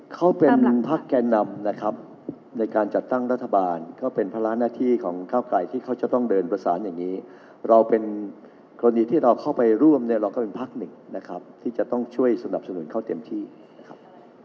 เขาเป็นพักแก่นำนะครับในการจัดตั้งรัฐบาลก็เป็นภาระหน้าที่ของก้าวไกลที่เขาจะต้องเดินประสานอย่างนี้เราเป็นกรณีที่เราเข้าไปร่วมเนี่ยเราก็เป็นพักหนึ่งนะครับที่จะต้องช่วยสนับสนุนเขาเต็มที่นะครับ